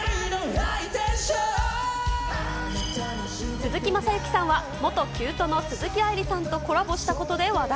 鈴木雅之さんは、元キュートの鈴木愛理さんとコラボしたことで話題。